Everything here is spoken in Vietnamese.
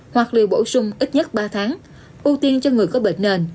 hoặc liệu bổ sung ít nhất ba tháng ưu tiên cho người có bệnh nền